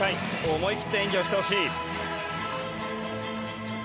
思い切って演技をしてほしい。